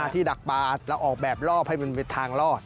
ที่ดักปลาเราออกแบบรอบให้เป็นทางรอด